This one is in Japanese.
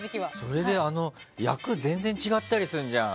それで役が全然違ったりするじゃん。